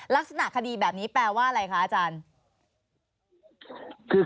ลักษณะคดีแบบนี้แปลว่าอะไรคะอาจารย์